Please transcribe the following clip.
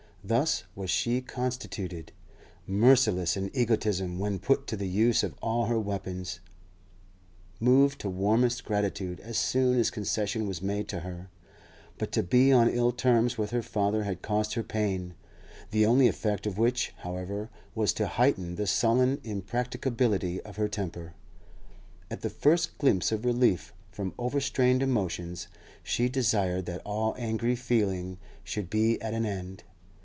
Thus was she constituted; merciless in egotism when put to the use of all her weapons, moved to warmest gratitude as soon as concession was made to her. To be on ill terms with her father had caused her pain, the only effect of which, however, was to heighten the sullen impracticability of her temper. At the first glimpse of relief from overstrained emotions, she desired that all angry feeling should be at an end.